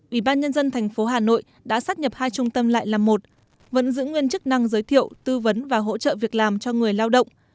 ủy ban nhân dân thành phố hà nội đã sát nhập hai trung tâm lại là một vẫn giữ nguyên chức năng giới thiệu tư vấn và hỗ trợ việc làm cho người lao động